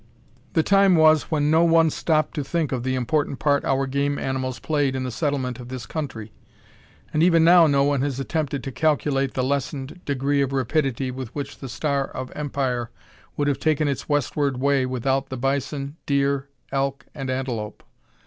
The time was when no one stopped to think of the important part our game animals played in the settlement of this country, and even now no one has attempted to calculate the lessened degree of rapidity with which the star of empire would have taken its westward way without the bison, deer, elk, and antelope.